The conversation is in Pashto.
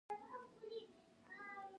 تر تلاشۍ وروسته يې ښه په عزت رخصت کړو.